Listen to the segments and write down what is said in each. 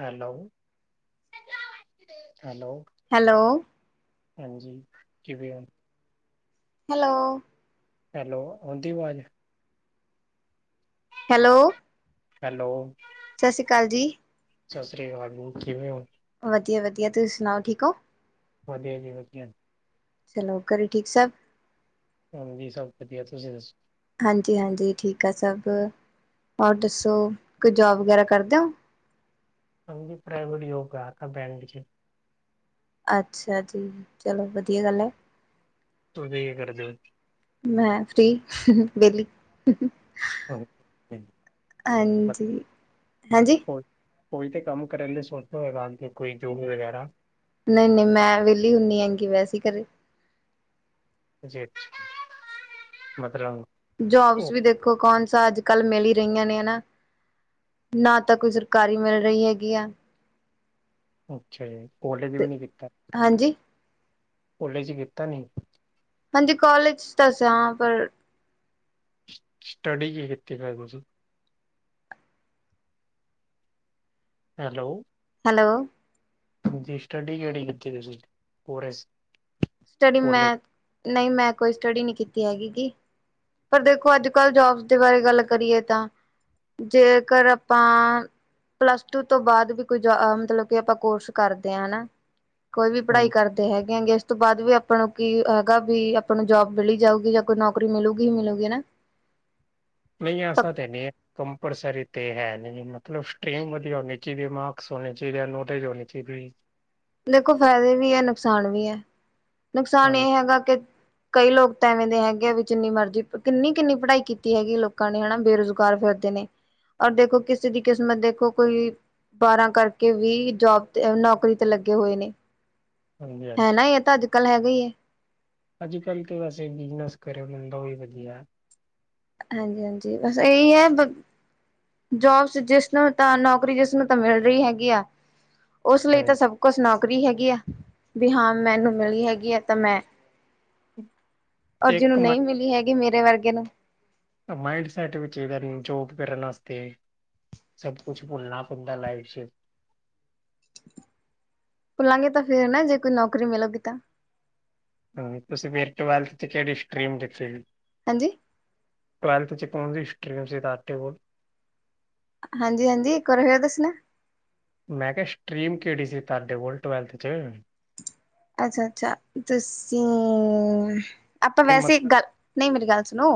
Hello hello hello ਹਾਂਜੀ ਕਿਵੇਂ ਹੋ ਹੈਲੋ ਹੈਲੋ ਆਉਂਦੀ ਆਵਾਜ਼ ਹੈਲੋ ਹੈਲੋ ਸਤਿ ਸ਼੍ਰੀ ਅਕਾਲ ਜੀ ਸਤਿ ਸ੍ਰੀ ਅਕਾਲ ਕਿਵੇਂ ਹੁਣ ਵਧੀਆ ਵਧੀਆ ਤੁਸੀਂ ਸੁਣਾਓ ਠੀਕ ਹੋ ਵਧੀਆ ਜੀ ਵਧੀਆ ਚਲੋ ਘਰੇ ਠੀਕ ਸਬ ਹਾਂਜੀ ਸਭ ਵਧੀਆ ਤੁਸੀਂ ਦੱਸੋ ਹਾਂਜੀ ਹਾਂਜੀ ਠੀਕ ਆ ਸਭ ਔਰ ਦੱਸੋ ਕੋਈ ਜੋਬ ਵਗੈਰਾ ਕਰਦੇ ਹੋ ਹਾਂਜੀ ਪ੍ਰਾਈਵੇਟ ਜੋਬ ਕਰਦਾ ਪਿਆ ਜੀ। ਅੱਛਾ ਜੀ ਚਲੋ ਵਧੀਆ ਗੱਲ ਤੁਸੀਂ ਕੀ ਕਰਦੇ ਹੋ। ਮੈਂ ਫ੍ਰੀ ਵਿਹਲੀ ਹੋ ਹਾਂਜੀ ਹਾਂਜੀ ਪਹੁੰਚੇ ਕੰਮ ਕਰਨ ਲਈ ਸੁਰਤ ਹੋਏਗਾ ਅਜਗਰ ਕੋਈ ਜੋ ਨਹੀਂ ਨਹੀਂ ਮੈਂ ਵੀਲੀ ਹੁੰਦੀ ਆ ਜਿਵੇਂ ਅਸੀਂ ਕਦੇ ਜੀ ਮਤਲਬ ਜੋਬਸ ਉਹ ਵੀ ਦੇਖੋ ਕੌਣ ਸਾ ਅੱਜ ਕੱਲ ਮਿਲ ਹੀ ਰਹੀਆਂ ਨੇ ਹਨਾ ਨਾ ਤਾਂ ਕੋਈ ਸਰਕਾਰੀ ਮਿਲ ਰਹੀ ਹੈਗੀ ਅੱਛਾ ਕਾਲਜ ਤੇ ਵੀ ਹਾਂਜੀ ਹਾਂਜੀ ਕੋਲਜ ਤਾਂ ਹ ਪਰ [unintelligible] ਸਟੱਡੀ ਕਿ ਕਿੱਥੇ ਖ ਦ ਹੈਲੋ ਹੈਲੋ ਸਟੱਡੀ ਕਿਹੜੀ ਕੀਤੀ ਤੁਸੀਂ ਪਰੇ ਸਟਡੀ ਮੈਂ ਨਹੀਂ ਮੈਂ ਕੋਈ ਸਟਡੀ ਨਹੀਂ ਕੀਤੀ ਹੈਗੀ ਕੀ ਪਰ ਦੇਖੋ ਅੱਜ ਕੱਲ ਜੋਬ ਦੇ ਬਾਰੇ ਗੱਲ ਕਰੀਏ ਜੇਕਰ ਆਪਾਂ ਪਲਸ ਟੂ ਤੋਂ ਬਾਅਦ ਵੀ ਕੋਈ ਮਤਲਬ ਕਿ ਆਪਾਂ ਕੋਰਸ ਕਰਦੇ ਆ ਹਨਾ ਕੋਈ ਵੀ ਪੜਾਈ ਕਰਤੇ ਹੈਗੇ ਤੋਂ ਬਾਅਦ ਵੀ ਆਪਾਂ ਨੂੰ ਕੀ ਹੈਗਾ, ਵੀ ਆਪਾਂ ਨੂੰ ਜੋਬ ਮਿਲੀ ਜਾਊਗੀ, ਜਾਂ ਕੋਈ ਨੌਕਰੀ ਮਿਲੂਗੀ ਹੀ ਮਿਲੂਗੀ। ਨਹੀਂ, ਐਸਾ ਤੇ ਨਹੀਂ ਐ। ਕੰਪਲਸਰੀ ਤੇ ਹੈ ਨਹੀਂ, ਮਤਲਬ ਸਟਰੀਮ ਵਧੀਆ ਹੋਣੀ ਚਾਹੀਦੀ ਐ, ਮਾਰਕਸ ਹੋਣੇ ਚਾਹੀਦੇ, ਨੌਲੇਜ ਹੋਣੀ ਚਾਹੀਦੀ। ਦੇਖੋ ਫਾਇਦੇ ਵੀ ਐ, ਨੁਕਸਾਨ ਵੀ ਐ, ਨੁਕਸਾਨ ਹਾਂਜੀ ਇਹ ਹੈਗਾ ਕਿ ਕਈ ਲੋਕ ਤਾਂ ਐਵੇਂ ਦੇ ਹੈਗੇ ਆ ਵੀ, ਜਿੰਨੀ ਮਰਜ਼ੀ ਕਿੰਨੀ- ਕਿੰਨੀ ਪੜ੍ਹਾਈ ਕੀਤੀ ਹੈਗੀ ਲੋਕਾਂ ਨੇ, ਹਨਾ ਬੇਰੁਜ਼ਗਾਰ ਫਿਰਦੇ ਨੇ। ਔਰ ਦੇਖੋ ਕਿਸੇ ਦੀ ਕਿਸਮਤ ਦੇਖੋ, ਕੋਈ ਬਾਰਾਂ ਕਰਕੇ ਵੀ ਜੋਬ ਤੇ ਨੌਕਰੀ ਤੇ ਲੱਗੇ ਹੋਏ ਨੇ। ਹਾਂਜੀ ਹੈ ਹਾਂਜੀ ਨਾ ਇਹ ਤਾਂ ਅੱਜ- ਕੱਲ ਹੈਗਾ ਈ ਐ। ਅੱਜ -ਕੱਲ੍ਹ ਤਾਂ ਵੈਸੇ ਬਿਜਨਸ ਕਰੇ ਬੰਦਾ, ਉਹੀ ਵਧੀਆ। ਹਾਂਜੀ -ਹਾਂਜੀ, ਬਸ ਇਹੀ ਐ। ਜੋਬਸ ਜਿਸਨੂੰ ਤਾਂ ਨੌਕਰੀ, ਜਿਸਨੂੰ ਤਾਂ ਮਿਲ ਰਹੀ ਹੈਗੀ ਆ। ਉਸ ਲਈ ਤਾਂ ਹਾਂਜੀ ਸਭ ਕੁਛ ਨੌਕਰੀ ਹੈਗੀ ਆ, ਵੀ ਹਾਂ ਮੈਨੂੰ ਮਿਲੀ ਹੈਗੀ ਆ ਤਾਂ ਮੈਂ [unintelligible] ਔਰ ਜਿਹਨੂੰ ਨਹੀਂ ਮਿਲੀ ਹੈਗੀ, ਮੇਰੇ ਵਰਗੇ ਨੂੰ ਮਾਇੰਡ ਸੈਟ ਵੀ ਚਾਹੀਦਾ, ਜੋਬ ਕਰਨ ਵਾਸਤੇ। ਸਭ ਕੁਛ ਭੁੱਲਣਾ ਪੈਂਦਾ ਲਾਈਫ ਚ। ਭੁੱਲਾਂਗੇ ਤਾਂ ਫੇਰ ਨਾ, ਜੇ ਕੋਈ ਨੌਕਰੀ ਮਿਲੂਗੀ ਤਾਂ। ਹਾਂ, ਤੁਸੀਂ ਮੇਰੇ ਟਵੈਲਥ ਚ ਕਿਹੜੀ ਸਟਰੀਮ ਲਿਤੀ ਸੀ। ਹਾਂਜੀ, ਟਵੈਲਥ ਚ ਕੌਨ ਸੀ ਸਟਰੀਮ ਸੀ, ਤੁਹਾਡੇ ਕੋਲ। ਹਾਂਜੀ- ਹਾਂਜੀ, ਇਕ ਵਾਰ ਫੇਰ ਦੱਸਣਾ। ਮੈਂ ਕਿਹਾ ਸਟ੍ਰੀਮ ਕਿਹੜੀ ਸੀ, ਤੁਹਾਡੇ ਕੋਲ ਟਵੈਲਥ ਚ। ਅੱਛਾ -ਅੱਛਾ, ਤੁਸੀਂ ਆਪਾਂ ਵੈਸੇ ਮਤਲਬ ਗੱਲ ਨਹੀਂ, ਮੇਰੀ ਗੱਲ ਸੁਣੋ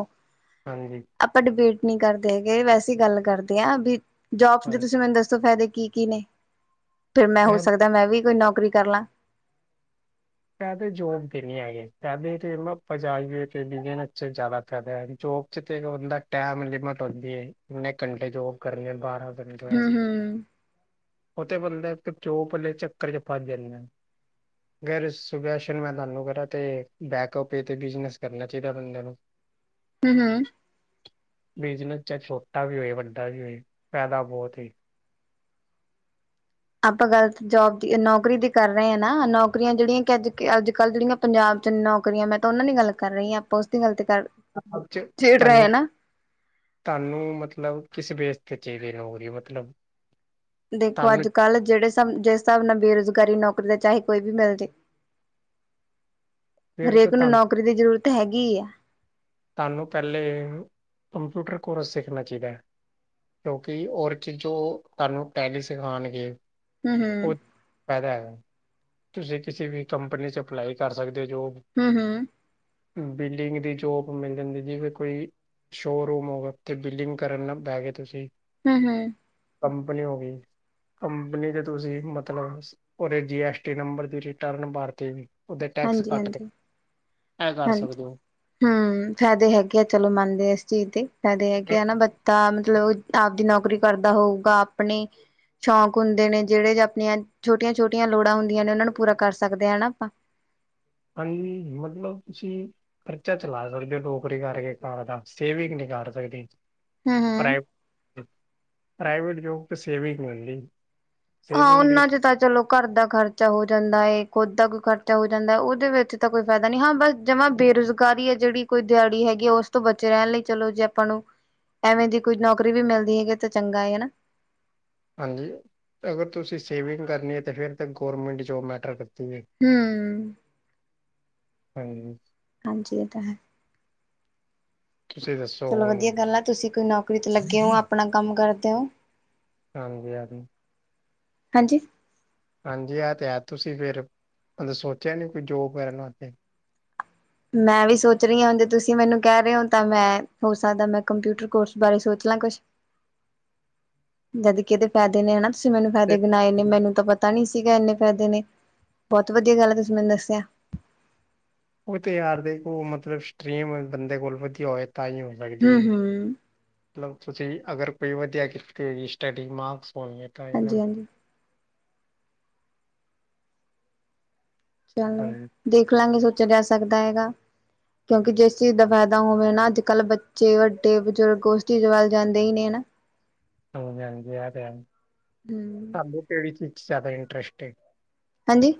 ਹਾਂਜੀ ਆਪਾਂ ਡਿਬੇਟ ਨਹੀਂ ਕਰਦੇ ਹੈਗੇ, ਵੈਸੇ ਗੱਲ ਕਰਦੇ ਆਂ ਵੀ ਜੋਬਸ ਦੇ ਹਾਂਜੀ ਤੁਸੀਂ ਮੈਨੂੰ ਦੱਸੋ ਫਾਇਦੇ ਕੀ- ਕੀ ਨੇ, ਫੇਰ ਮੈਂ ਹੋ ਸਕਦਾ ਮੈਂ ਵੀ ਕੋਈ ਨੌਕਰੀ ਕਰ ਲਾਂ। ਫੈਦੇ ਜੋਬ ਦੇ ਨੀ ਹੈਗੇ, ਫੈਦੇ ਤੇ ਪੰਜਨ ਜ਼ਿਆਦਾ ਫੈਦਾ ਹੈ, ਜੋਬ ਬ ਚ ਟੈਮ ਲਿਮਟ ਹੁੰੰਦੀ ਏ, ਕਿੰਨੇ ਘੰਟੇ ਜੋਬ ਕਰਨੇ ਬਾਰਾਂ [inaudible] ਹੂੰ-ਹੂੰ, ਉਹ ਤੇ ਬੰਦੇ ਇੱਕ ਚੋ ਪੱਲੇ ਚੱਕਰ ਚ ਫੱਸ ਜਾਂਦੇ ਆ, ਗੈਰ ਇਸ ਸੁਜੈਸ਼ਨ ਮੈਂ ਤੁਹਾਨੂੰ ਕਰਾਂ ਤੇ, ਬੈਕਅਪ ਬੇ ਤੇ ਬਿਜ਼ਨਸ ਕਰਨਾ ਚਾਹੀਦਾ ਬੰਦੇ ਨੂੰ। ਹੂੰ, ਹੂੰ ਬਿਜਨਸ ਚਾਹੇ ਛੋਟਾ ਵੀ ਹੋਏ, ਚਾਹੇ ਵੱਡਾ ਵੀ ਹੋਏ, ਫੈਦਾ ਬਹੁਤ ਏ। ਆਪਾਂ ਗੱਲ ਤਾਂ ਜੋਬ ਦੀ ਨੌਕਰੀ ਦੀ ਕਰ ਰਹੇ ਆਂ ਨਾ, ਨੌਕਰੀਆਂ ਜਿਹੜੀਆਂ ਕਿ ਅੱਜ- ਅੱਜ ਕੱਲ੍ਹ ਜਿਹੜੀਆਂ ਪੰਜਾਬ ਚ' ਨੌਕਰੀਆਂ। ਮੈਂ ਤਾਂ ਉਹਨਾਂ ਦੀ ਗੱਲ ਕਰ ਰਹੀ ਹਾਂ, ਆਪਾਂ ਉਸਦੀ ਗੱਲ ਤੇ ਕਰ ਜੌਬ ਚ' ਛੇੜ ਰਹੇ ਹਾਂ ਤਹਾਨੂੰ ਨਾ ਤੁਹਾਨੂੰ ਮਤਲਬ ਕਿਸ ਵੇਸ ਤੇ ਚਾਹੀਦੀ ਏ ਨੌਕਰੀ। ਮਤਲਬ ਦੇਖੋ ਤੁਹਾਨੂੰ ਅੱਜ- ਕੱਲ੍ਹ ਜਿਹੜੇ ਸਾਬ ਜਿਸ ਹਿਸਾਬ ਨਾਲ ਬੇਰੁਜ਼ਗਾਰੀ ਐ, ਨੌਕਰੀ ਤਾਂ ਚਾਹੇ ਕੋਈ ਵੀ ਮਿਲਜੇ। ਫਿਰ ਤੇ ਹਰੇਕ ਨੂੰ ਤੁਹਾਨੂੰ ਨੌਕਰੀ ਦੀ ਜ਼ਰੂਰਤ ਹੈਗੀ ਈ ਐ। ਤੁਹਾਨੂੰ ਪਹਿਲੇ, ਕੰਪਿਊਟਰ ਕੋਰਸ ਸਿੱਖਣਾ ਚਾਹੀਦਾ। ਕਿਉਂਕਿ ਔਰ ਚੀਜ਼ੋਂ ਤੁਹਾਨੂੰ ਟੈਲੀ ਸਿਖਾਣਗੇ। ਹੂੰ- ਹੂੰ। ਫੈਦਾ ਹੈਗਾ। ਤੁਸੀਂ ਕਿਸੇ ਵੀ ਕੰਪਨੀ ਚ' ਅਪਲਾਈ ਕਰ ਸਕਦੇ ਹੋ। ਜੋ ਹੂੰ- ਹੂੰ। ਬਿਲਡਿੰਗ ਦੀ ਜੋਬ ਮਿਲ ਜਾਂਦੀ। ਜਿਵੇਂ ਕੋਈ ਸ਼ੋਅਰੂਮ ਹੋ ਗਿਆ। ਉਥੇ ਬਿਲਲਿੰਗ ਕਰਨਾ ਪੈ ਗਏ ਤੁਸੀਂ। ਹੂੰ, ਹੂੰ। ਕੰਪਨੀ ਹੋ ਗਈ। ਕੰਪਨੀ ਤੇ ਤੁਸੀਂ ਮਤਲਬ ਉਰੇ ਜੀ ਐਸ ਨੰਬਰ ਤੇ ਰਿਟਰਨ ਭਰ ਕੇ, ਉਹਦੇ ਟੈਕਸ ਕੱਟ ਕੇ, ਹਾਂਜੀ-ਹਾਂਜੀ। ਇਹ ਕਰ ਸਕਦੇ ਹੋ। ਹਮ, ਫਾਇਦੇ ਹੈਗੇ ਆ ਚਲੋ ਮੰਨਦੇ ਇਸ ਚੀਜ਼ ਤੇ, ਫਾਇਦੇ ਹੈਗੇ ਆ ਨਾ ਬੱਚਾ ਮਤਲਬ ਆਪਦੀ ਨੌਕਰੀ ਕਰਦਾ ਹੋਊਗਾ। ਆਪਣੇ ਸ਼ੌਕ ਹੁਦੇ ਨੇ ਜਿਹੜੇ ਆਪਣੀਆਂ ਛੋਟੀਆਂ- ਛੋਟੀਆਂ ਲੋੜਾ ਹੁੰਦੀਆਂ ਨੇ ਉਹਨਾ ਨੂੰ ਪੂਰਾ ਕਰ ਸਕਦੇ ਹ ਹਨਾ। ਆਪਾਂ- ਹਾਂਜੀ। ਮਤਲਬ ਤੁਸੀ ਖਰਚਾ ਚਲਾ ਸਕਦੇ ਹੋ ਨੌਕਰੀ ਕਰਕੇ ਘਰ ਦਾ ਸੇਵਿੰਗ ਨਹੀ ਕਰ ਸਕਦੇ। ਹੂੰ-ਹੂੰ। ਪ੍ਰਾਈਵੇਟ ਜੋਬ ਤੇ ਸੇਵਿੰਗ ਮਿਲਦੀ। ਹਾਂ, ਸੇਵਿੰਗ ਲਈ ਉਹਨਾਂ 'ਚ ਤਾਂ ਚਲੋ। ਘਰ ਦਾ ਖਰਚਾ ਹੋ ਜਾਂਦਾ। ਹੈਏ ਖੁਦ ਦਾ ਕੋਈ ਖਰਚਾ ਹੋ ਜਾਂਦਾ। ਉਹਦੇ ਵਿਚ ਤਾਂ ਕੋਈ ਫਾਇਦਾ ਨਹੀਂ ਹਾਂ। ਬਸ ਜਮਾ ਬੇਰੁਜ਼ਗ ਕਾਰੀ ਹੈ। ਜਿਹੜੀ ਕੋਈ ਦਿਹਾੜੀ ਹੈਗੀ ਆ ਉਸ ਤੋਂ ਬਚੇ ਰਹਿਣ ਲਈ ਚਲੋ ਜੇ ਆਪਾ ਨੂੰ ਐਵੇ ਦੀ ਕੁਝ ਨੌਕਰੀ ਵੀ ਮਿਲਦੀ ਹੈਗੀ ਤਾਂ ਚੰਗਾ ਏ ਹਨਾ। ਹਾਂਜੀ, ਅਗਰ ਤੁਸੀਂ ਸੇਵਿੰਗ ਕਰਨੀ ਹੈ। ਤਾਂ ਫਿਰ ਤਾਂ ਗੌਰਮੈਂਟ ਜੋਬ ਮੈਟਰ ਕਰਦੀ ਹੈ। ਹੂੰ - ਹਾਂਜੀ। ਹਾਂਜੀ, ਇਹ ਤਾਂ ਹੈ। ਤੁਸੀਂ ਦੱਸੋ ਚਲੋ ਵਧੀਆ ਹੁਣ ਗਲ ਆ। ਤੁਸੀਂ ਕੋਈ ਨੌਕਰੀ ਤੇ ਲਗੇ ਹੋ, ਆਪਣਾ ਕੰਮ ਕਰਦੇ ਹੋ। ਹਾਂਜੀ। ਹਾਂ, ਹਾਂਜੀ। ਹਾਂਜੀ, ਆਹ ਤੇ ਹੈ। ਤੁਸੀ ਫੇਰ ਮਤ ਸੋਚਿਆ ਨੀ ਕੋਈ ਜੋਬ ਕਰਣ ਵਾਸਤੇ। ਮੈ ਵੀ ਸੋਚ ਰਹੀ ਹਾਂ ਹ ਜੇ ਤੁਸੀ ਮੈਨੂੰ ਕਹਿ ਰਹੇ ਹੋ ਤਾਂ ਮੈਂ ਹੋ ਸਕਦਾ ਮੈ ਕੰਪਿਊਟਰ ਕੋਰਸ ਬਾਰੇ ਸੋਚ ਲਾਂ ਕੁਛ। [inaudible] ਜਦ ਕਿ ਇਹਦੇ ਫਾਇਦੇ ਨੇ ਨਾ। ਤੁਸੀ ਮੈਨੂੰ ਤੇ ਫਾਇਦੇ ਗਣਾਏ ਨੇ ਮੈਨੂੰ ਤਾਂ ਪਤਾ ਨੀ ਸੀਗਾ। ਇਨੇ ਫਾਇਦੇ ਨੇ ਬਹੁਤ ਵਧੀਆ ਗਲ ਹੈ। ਤੁਸੀ ਮੈਨੂੰ ਦਸਿਆ। ਉਹ ਤਾਂ ਯਾਰ ਦੇਖੋ ਮਤਲਬ ਸਟਰੀਮ ਬੰਦੇ ਕੋਲ ਵਧੀਆ ਹੋਵੇ ਤਾਂ ਹੀ ਹੋ ਸਕਦੀ ਹੈ। ਹੂੰ-ਹੂੰ। ਮਤਲਬ ਤੁਸੀ ਅਗਰ ਕੋਈ ਵਧੀਆ ਕੀਤੀ ਹੋ ਸਟੱਡੀ ਮਾਕਸ ਹੋਣ ਹਾਂਜੀ- ਹਾਂਜੀ। ਚਲੋ ਹਾਂਜੀ ਦੇਖ ਲਾਂਗੇ ਸੋਚਿਆ ਜਾ ਸਕਦਾ ਹੈਗਾ। ਕਿਉਕਿ ਜਿਸ ਚੀਜ਼ ਦਾ ਫਾਇਦਾ ਹੋਵੇ ਨਾ ਅੱਜ ਕਲ ਬੱਚੇ ਵੱਡੇ ਬਜ਼ੁਰਗ ਉਸ ਚੀਜ ਵਲ ਜਾਂਦੇ ਹੀ ਨੇ ਹਨਾ। [inaudible] ਹਾਂਜੀ- ਹੂੰ, ਹਾਂਜੀ ਕਿਹੜੀ ਚੀਜ਼ 'ਚ ਜ਼ਿਆਦਾ ਇੰਟਰਸਟ ਹੈ। ਹਾਂਜੀ।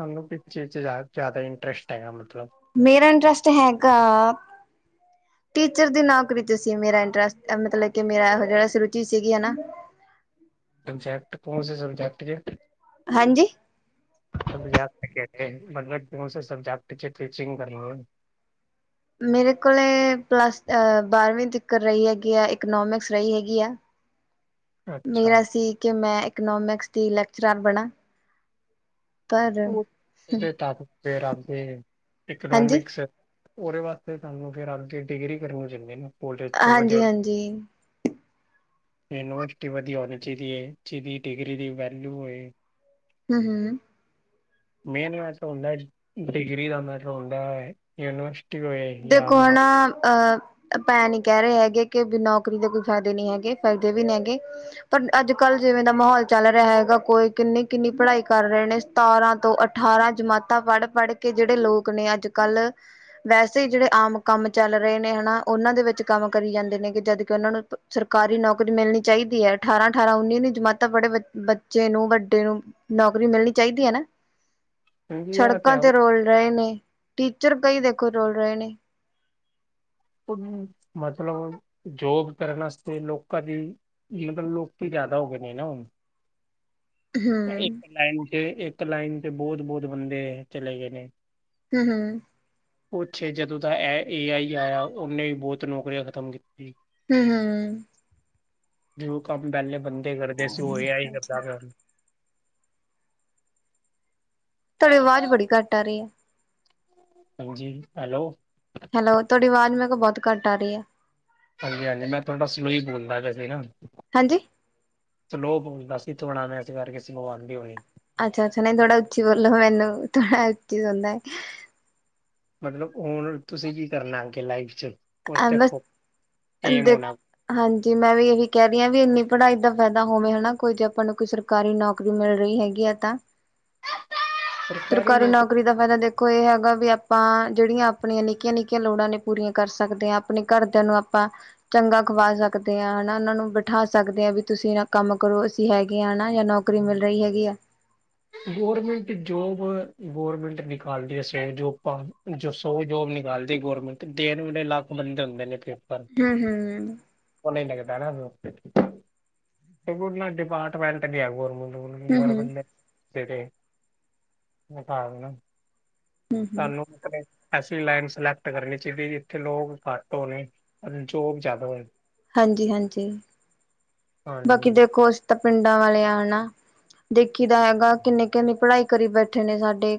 ਸਾਨੂੰ ਕਿਸ ਚੀਜ਼ 'ਚ ਜ਼ਿਆਦਾ ਇੰਟਰਸਟ ਹੈਗਾ। ਮਤਲਬ ਮੇਰਾ ਇੰਟਰਰੇਸਟ ਹੈਗਾ। ਟੀਚਰ ਦੀ ਨੌਕਰੀ ਤੇ ਸੀ ਮੇਰਾ ਇੰਟਰਸਟ ਮਤਲਬ ਕਿ ਮੇਰਾ ਸੋਚਿਆ ਸੀ ਸੀਗੀ ਹਨਾ ਸਬਜੈਕਟ ਕਣ ਸੀ ਸਬਜੈਕਟ ਕੇ ਹਾਂਜੀ- ਸ ਜਾ ਸਕ ਮਤਲਬ ਕਿ ਸਬਕਟ ਟੀਚਿੰਗ ਕਰਨੀ ਮੇਰੇ ਕੋਲ ਪਲੱਸ ਬਾਰਵੀ ਤੱਕਰ ਰਹੀ ਹੈਗੀ ਆ ਇਕਨੋਮਿਕਸ ਰਹੀ ਹੈਗੀ ਆ [inaudible] [unintelligible] ਮੇਰਾ ਸੀ ਕਿ ਮੈਂ ਇਕਨੋਮਿਕਸ ਦੀ ਲੈਕਚਰਾਰ ਬਣਾ ਪਰ ਤ ਫ ਰਦੇ ਹਾਂਜੀ ਇਕਨੋਮਿਕਸ ਉਹਦੇ ਵਾਸਤੇ ਸਾਨੂੰ ਫਿਰ ਆਪਦੀ ਡਿਗਰੀ ਕਰਨੀ ਚਦੇ ਨੇ ਕੋਲਜ ਚ ਵਜਆ ਹਾਂਜੀ ਹਾਂਜੀ ਯੂਨੀਵਰਸਿਟੀ ਵਧੀਆ ਹੋਣੀ ਚਾਹੀਦੀ ਹੈ। ਜਿਹਦੀ ਡਿਗਰੀ ਦੀ ਵੈਲਿਊ ਹੋਵੇ ਹੂੰ- ਹੂੰ - ਮੇਨ ਮੈ ਹੁੰਦਾ ਡਿਗਰੀ ਦਾ ਮਤਲਬ ਹੁੰਦਾ ਹੈ। ਯੂਨੀਵਰਸਿਟੀ ਹੋਏ ਜਾਂ ਦੇਖੋ ਹ ਮਾਪ ਨਾ ਅਹ ਭੈਣ ਨੀ ਕਹਿ ਰਹੇ ਹੈਗੇ ਕਿ ਨੌਕਰੀ ਦੇ ਕੋਈ ਫਾਇਦੇ ਨੀ ਹੈਗੇ ਫਾਇਦੇ ਵੀ ਨਹੀ ਹੈਗੇ ਪਰ ਅਜ ਕਲ ਜਿਵੇ ਦਾ ਮਾਹੌਲ ਚਲ ਰਿਹਾ ਹੈਗਾ ਕੋਈ ਕਿਨੀ ਕਿਨੀ ਪੜ੍ਹਾਈ ਕਰ ਰਹੇ ਨੇ ਸਤਾਰਾਂ ਤੋਂ ਅਠਾਰਾਂ ਜਮਾਤਾਂ ਪੜ੍ਹ- ਪੜ੍ਹ ਕੇ ਜਿਹੜੇ ਲੋਕ ਨੇ ਅਜ ਕਲ ਵੈਸੇ ਜਿਹੜੇ ਆਮ ਕਮ ਚਲ ਰਹੇ ਨੇ ਹਨਾ ਉਹਨਾ ਦੇ ਵਿਚ ਕਮ ਕਰੀ ਜਾਦੇ ਨੇ ਜਦ ਕਿ ਉਹਨਾ ਨੂੰ ਸਰਕਾਰੀ ਨੌਕਰੀ ਮਿਲਣੀ ਚਾਹੀਦੀ ਹੈ। ਅਠਾਰਾਂ- ਅਠਾਰਾਂ ਉਨੀ ਨੂੰ ਜਮਾਤਾ ਬੜ੍ਹੇ ਬੱਚੇ ਨੂੰ ਵਡੇ ਨੂੰ ਨੌਕਰੀ ਮਿਲਣੀ ਚਾਹੀਦੀ ਹੈ ਨਾ [unintelligible] [unintelligible] ਸੜਕਾਂ ਤੇ ਰੋਲ ਰਹੇ ਨੇ ਟੀਚਰ ਕਈ ਦੇਖੋ ਰੁਲ ਰਹੇ ਨੇ ਮਤਲਬ ਜੋਬ ਕਰਨ ਵਾਸਤੇ ਲੋਕਾਂ ਦੀ ਮਤਲਬ ਲੋਕੀ ਜ਼ਿਆਦਾ ਹੋ ਗਏ ਨੇ ਨਾ ਹੁਣ। ਹਮ ਇੱਕ ਲਾਈਨ ਤੇ ਇੱਕ ਲਾਈਨ ਤੇ ਬਹੁਤ, ਬਹੁਤ ਬੰਦੇ ਚਲੇ ਗਏ ਨੇ ਹੁ, ਹੁ ਉੱਛੇ ਜਦੋਂ ਦਾ ਏ ਆਈ ਆਇਆ ਉਹਨੇ ਵੀ ਬਹੁਤ ਨੌਕਰੀਆਂ ਖਤਮ ਕੀਤੀ। ਹੁ, ਹੁ ਜੋ ਕੰਮ ਪਹਿਲੇ ਬੰਦੇ ਕਰਦੇ ਸੀ ਉਹਏ ਆਈ ਹੀ ਹਾਂਜੀ। ਕਰਦਾ ਪਇਆ ਹੁਨ ਤੁਹਾਡੀ ਆਵਾਜ਼ ਬੜੀ ਘੱਟ ਆ ਰਹੀ ਹੈ। ਹਾਂਜੀ ਹੈਲੋ। ਹੈਲੋ ਤੁਹਾਡੀ ਆਵਾਜ਼ ਮੈਂ ਕਿਹਾ ਬਹੁਤ ਘੱਟ ਆ ਰਹੀ ਹੈ। ਹਾਂਜੀ, ਹਾਂਜੀ ਮੈਂ ਤੁਹਾਡਾ ਸਲੋਈ ਬੋਲਦਾ ਵੇਹਸੇ ਨਾ ਹਾਂਜੀ। ਸਲੋ ਦਸ ਕਿਥੋ ਆੳਨਾ ਮੈਂ ਇਸ ਕਰਕੇ ਭਗਵਾਨ ਵੀ ਹੋਣੀ ਅੱਛਾ, ਅੱਛਾ ਨਹੀਂ ਥੋੜਾ ਉੱਚੀ ਬੋਲੋ ਮਨੂੰ ਥੜਾ ਉੱਚੀ ਸੁੁੰਦਾ ਹੈ। ਮਤਲਬ ਹੁਣ ਤੁਸੀਂ ਕੀ ਕਰਨਾ ਕਿ ਲਾਈਫ ਚ ਉਸ ਤੇ ਬਸ ਏਮ ਦੇ ਹੋਣਾ ਹਾਂਜੀ ਮੈਂ ਵੀ ਇਹੀ ਕਹਿ ਰਹੀ ਹਾਂ ਵੀ ਇੰਨੀ ਪੜ੍ਹਾਈ ਦਾ ਫਾਇਦਾ ਹੋਵੇ ਹਨਾ ਕੋਈ ਜੇ ਆਪਾਂ ਨੂੰ ਕੋਈ ਸਰਕਾਰੀ ਨੌਕਰੀ ਮਿਲ ਰਹੀ ਹੈਗੀ ਹੈ ਤਾਂ [unintelligible] [unintelligible] ਸਰਕਾਰੀ ਨੌਕਰੀ ਦਾ ਫਾਇਦਾ ਦੇਖੋ ਇਹ ਹੈਗਾ ਵੀ ਆਪਾਂ ਜਿਹੜੀਆਂ ਆਪਣੀਆਂ ਨਿੱਕੀਆਂ, ਨਿੱਕੀਆਂ ਲੋੜਾਂ ਨੇ ਪੂਰੀਆਂ ਕਰ ਸਕ ਸਕਦੇ ਹਾਂ ਆਪਣੇ ਘਰਦਿਆਂ ਨੂੰ ਆਪਾਂ ਚੰਗਾ ਖਵਾ ਸਕਦੇ ਹਾਂ ਹਨਾ ਉਹਨਾਂ ਨੂੰ ਬਿਠਾ ਸਕਦੇ ਹਾਂ ਵੀ ਤੁਸੀਂ ਕੰਮ ਕਰੋ ਅਸੀਂ ਹੈਗੇ ਹ ਜਾਂ ਨੌਕਰੀ ਨੌਕਰੀ ਮਿਲ ਰਹੀ ਹੈਗੀ ਹੈ। ਗੌਰਮੈਂਟ ਜੋਬ ਗੌਰਮੈਂਟ ਨਿਕਾਲਦੀ ਸੋ ਜੋਬਾ ਸੋ ਜੋਬ ਨਿਕਾਲਦੀ ਗੌਰਮੈਂਟ ਡੇਢ ਨੂੰ ਡੇਢ ਲੱਖ ਬੰਦੇ ਹੁੰਦੇ ਨੇ ਫਿਰ ਹੁ, ਹੁ ਫੋਨ ਨਹੀ ਲੱਗਦਾ ਡਿਪਾਰਟਮੈਂਟ ਨ ਆ ਗੌਰਮਟ ਹੂੰ-ਹੂੰ, ਮਪੜ ਤਾਂ [unintelligible] [unintelligible] ਹੂੰ-ਹੂੰ, ਤੁਹਾਨੂੰ ਕਦੇ ਐਸੀ ਲਾਈਨ ਸਿਲੈਕਟ ਕਰਨੀ ਚਾਹੀਦੀ ਜਿੱਥੇ ਲੋਕ ਘੱਟ ਹੋਣੇ ਜੋ ਵੀ ਜ਼ਿਆਦਾ ਹੋਵੇ। ਹਾਂਜੀ, ਹਾਂਜੀ। ਬਾਕੀ ਹਾਂਜੀ ਦੇਖੋ ਅਸੀਂ ਤਾਂ ਪਿੰਡਾਂ ਵਾਲੇ ਆ ਨਾ ਦੇਖੀ ਦਾ ਹੈਗਾ ਕਿੰਨੇ, ਕਿੰਨੀ ਪੜ੍ਹਾਈ ਕਰੀ ਬੈਠੇ ਨੇ ਸਾਡੇ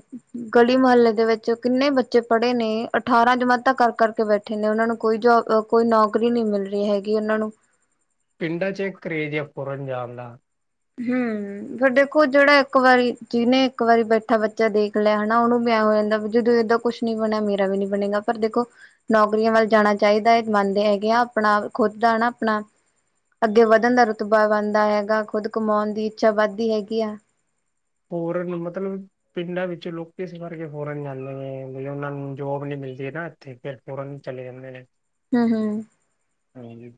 ਗਲੀ ਮੁਹੱਲੇ ਦੇ ਵਿੱਚ ਕਿੰਨੇ ਬੱਚੇ ਪੜ੍ਹੇ ਨੇ ਅਠਾਰਾਂ ਜਮਾਤਾਂ ਕਰ, ਕਰ ਕੇ ਬੈਠੇ ਬੇਠੇ ਨੇ ਉਹਨਾਂ ਨੂੰ ਕੋਈ ਜੋਬ ਕੋਈ ਨੌਕਰੀ ਨੀ ਮਿਲ ਰਹੀ ਹੈਗੀ ਉਹਨਾਂ ਨੂੰ ਪਿੰਡਾਂ ਚ ਕਰੇਜ ਆ ਫੋਰਨ ਜਾਣ ਦਾ ਹੁ ਫੇਿਰ ਦੇਖੋ ਜਿਹੜਾ ਇੱਕ ਵਾਰੀ ਜਿਹਨੇ ਇੱਕ ਵਾਰੀ ਬੈਠਾ ਬੱਚਾ ਦੇਖ ਲਿਆ ਹਨਾ ਉਹਨੂੰ ਵਿਆਹ ਹੋ ਜਾਂਦਾ ਵੀ ਜਦੋਂ ਏਦਾਂ ਕੁੱਛ ਨਹੀ ਬਣਿਆ ਮੇਰਾ ਵੀ ਨੀ ਬਣੇਗਾ ਪਰ ਦੇਖੋ ਨੌਕਰੀਆਂ ਵੱਲ ਜਾਣਾ ਚਾਹੀਦਾ ਹੈ ਮੰਨਦੇ ਹੈਗੇ ਆ ਆਪਣਾ ਖੁਦ ਦਾ ਨਾ ਆਪਣਾ ਅੱਗੇ ਵੱਧਣ ਦਾ ਰੁਤਬਾ ਬਣਦਾ ਹੈਗਾ ਖੁਦ ਕਮਾਉਣ ਦੀ ਇੱਛਾ ਵੱਧਦੀ ਹੈਗੀ ਆ। ਹੋਰ ਮਤਲਬ ਪਿੰਡਾਂ ਵਿੱਚ ਲੋਕੀ ਕਿਸ ਕਰਕੇ ਫੋਰਨ ਜਾਂਦੇ ਨੇ ਵੀ ਉਹਨਾਂ ਨੂੰ ਜੋਬ ਨੀ ਮਿਲਦੀ ਨਾ ਤੇ ਫਿਰ ਫੋਰਨ ਚਲੇ ਜਾਂਦੇ ਨੇ ਹੁ, ਹੁ ਹਾਂਜੀ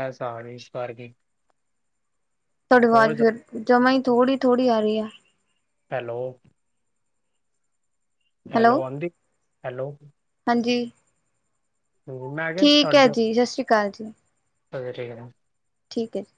ਐਸ [unintelligible] ਤੁਹਾਡੀ ਆਵਾਜ਼ ਫੇਰ ਜਮਾ ਥੋੜ੍ਹੀ, ਥੋੜ੍ਹੀ ਆ ਰਹੀ ਹੈ। ਹੈਲੋ। ਹੈਲੋ। ਹਾਂਜੀ! ਹੈਲੋ ਹਾਂਜੀ, ਮੈਂ ਕਿਹਾ ਠੀਕ ਹੈ ਜੀ। ਸਤਿ ਸ੍ਰੀ ਅਕਾਲ ਜੀ ਘਰੇ ਠੀਕ। ਠੀਕ ਹੈ ਜੀ।